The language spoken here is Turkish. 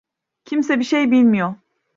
Kimse bir şey bilmiyor.